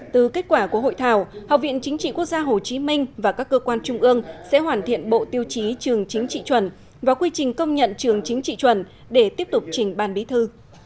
từ kết quả của hội thảo học viện chính trị quốc gia hồ chí minh và các cơ quan trung ương sẽ hoàn thiện bộ tiêu chí trường chính trị chuẩn và quy trình công nhận trường chính trị chuẩn để tiếp tục trình ban bí thư